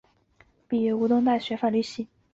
毕业于东吴大学法律系。